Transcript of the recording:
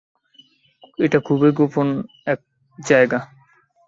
এটা খুবই গোপন এক জায়গা।